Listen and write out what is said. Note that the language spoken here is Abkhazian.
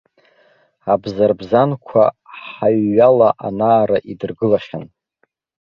Абзарбзанқәа ҳаҩҩала ана-ара идыргылахьан.